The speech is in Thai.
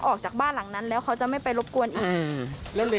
ออกจากบ้านหลังนั้นแล้วเขาจะไม่ไปรบกวนอีก